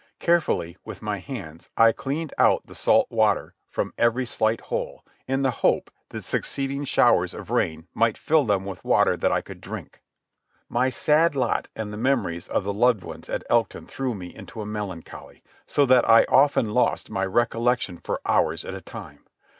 Carefully, with my hands, I cleaned out the salt water from every slight hole, in the hope that succeeding showers of rain might fill them with water that I could drink. My sad lot and the memories of the loved ones at Elkton threw me into a melancholy, so that I often lost my recollection for hours at a time.